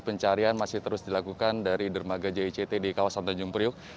pencarian masih terus dilakukan dari dermaga jict di kawasan tanjung priuk